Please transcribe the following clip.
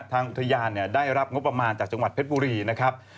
ทางอุทยานได้รับงบประมาณจากจังหวัดเพชรบุรีนะครับ